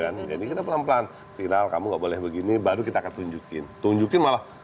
kan jadi kita pelan pelan viral kamu nggak boleh begini baru kita akan tunjukin tunjukin malah